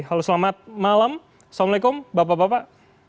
halo selamat malam assalamualaikum bapak bapak